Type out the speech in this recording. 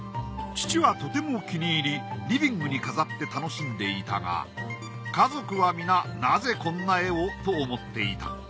父はとても気に入りリビングに飾って楽しんでいたが家族は皆なぜこんな絵を？と思っていた。